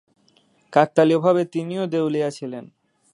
কাকতালীয়ভাবে তিনিও দেউলিয়া ছিলেন।